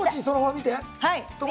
見て。